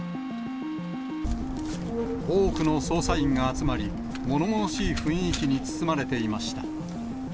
多くの捜査員が集まり、ものものしい雰囲気に包まれていました。